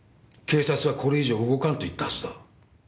警察はこれ以上動かんと言ったはずだ。